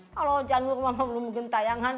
kalau janur mah belum beban tayangan